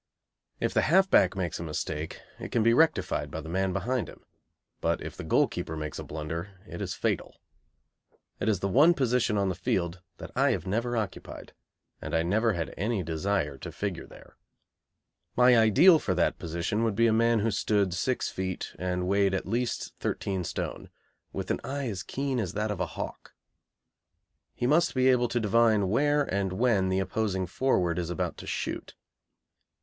If the half back makes a mistake it can be rectified by the man behind him, but if the goalkeeper makes a blunder it is fatal. It is the one position on the field that I have never occupied, and I never had any desire to figure there. My ideal for that position would be a man who stood six feet and weighed at least thirteen stone, with an eye as keen as that of a hawk. He must be able to divine where and when the opposing forward is about to shoot.